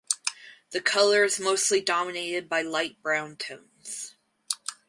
The color is mostly dominated by light brown tones.